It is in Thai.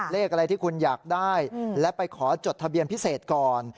เลขอะไรที่คุณอยากได้และไปขอจดทะเบียนพิเศษก่อน